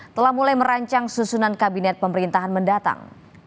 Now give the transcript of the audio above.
telah mulai merancang susunan kabinet pemerintahan mendatang